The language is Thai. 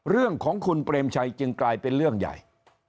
เรื่องของคุณเปรมชัยจึงกลายเป็นเรื่องใหญ่